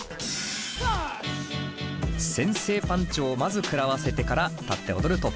先制パンチをまず食らわせてから立って踊るトップロック。